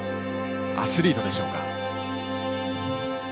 アスリートでしょうか。